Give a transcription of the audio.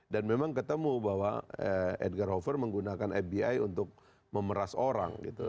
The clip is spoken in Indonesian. dan memang ketemu bahwa edgar hoover menggunakan fbi untuk memeras orang gitu